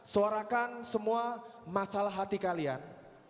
suarakan semua masalah hati kalian